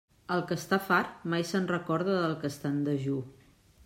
El que està fart mai se'n recorda del que està en dejú.